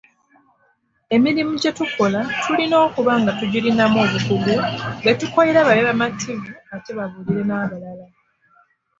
Emirimu gye tukola tulina okuba nga tugirinamu obukugu betukolera babe bamativu ate babuulire n'abalala.